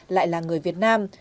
lại là người việt nam